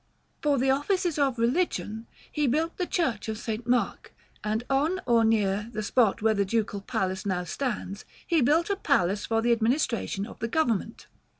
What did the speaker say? For the offices of religion, he built the Church of St. Mark; and on, or near, the spot where the Ducal Palace now stands, he built a palace for the administration of the government.